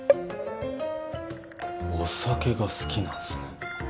お酒が好きなんすね